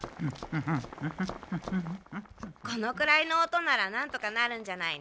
このくらいの音ならなんとかなるんじゃないの？